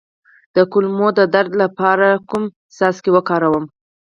د کولمو د درد لپاره کوم څاڅکي وکاروم؟